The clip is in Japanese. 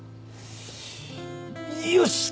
よし！